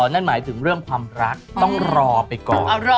นั่นหมายถึงเรื่องความรักต้องรอไปก่อน